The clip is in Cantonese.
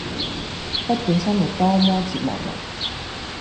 不管生活多麼折磨人